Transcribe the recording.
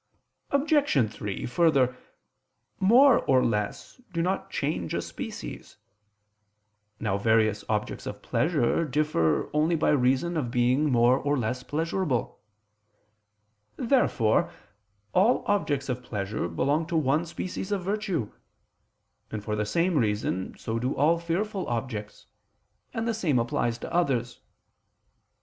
Obj. 3: Further, more or less do not change a species. Now various objects of pleasure differ only by reason of being more or less pleasurable. Therefore all objects of pleasure belong to one species of virtue: and for the same reason so do all fearful objects, and the same applies to others.